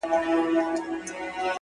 تا ويل له سره ماله تېره يم خو ـ